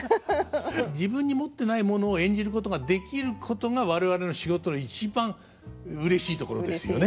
自分に持ってないものを演じることができることが我々の仕事の一番うれしいところですよね。